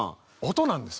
音なんです。